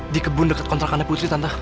di kebun dekat kontrakan putri tante